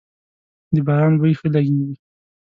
د باران بوی ښه لږیږی